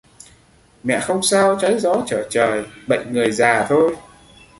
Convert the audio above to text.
Mẹ không sao trái gió Trở trời bệnh người gìa thôi